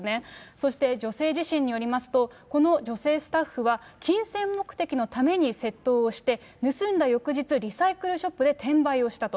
そして女性自身によりますと、この女性スタッフは、金銭目的のために窃盗をして、盗んだ翌日、リサイクルショップで転売をしたと。